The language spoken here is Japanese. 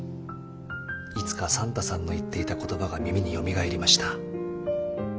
いつかサンタさんの言っていた言葉が耳によみがえりました。